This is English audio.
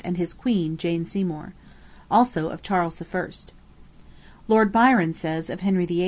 and his queen, Jane Seymour. Also of Charles I. Lord Byron says of Henry VIII.'